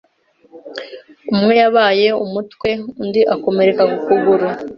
umwe yabaye umutwe undi akomereka ku kuguru